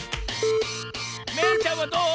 めいちゃんはどう？